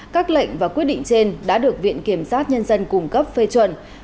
các lệnh và quyết định trên đã được viện kiểm sát nhân dân cung cấp phê chuẩn